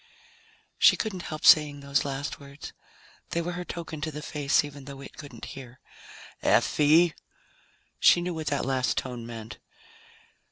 She couldn't help saying those last words. They were her token to the face, even though it couldn't hear. "Effie!" She knew what that last tone meant.